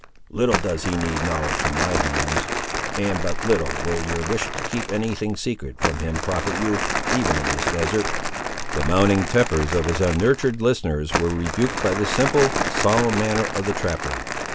Little does he need knowledge from my hands, and but little will your wish to keep any thing secret from him profit you, even in this desert." The mounting tempers of his unnurtured listeners were rebuked by the simple, solemn manner of the trapper.